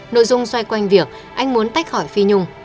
nội dung xoay quanh việc anh muốn tách khỏi phi nhung